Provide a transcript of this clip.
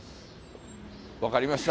分かりました。